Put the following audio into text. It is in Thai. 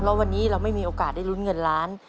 แล้ววันนี้เราไม่มีโอกาสได้ลุ้นเงินล้าน